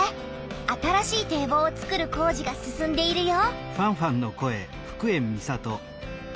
新しい堤防をつくる工事が進んでいるよ。